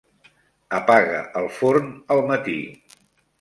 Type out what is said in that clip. Apaga el forn al matí.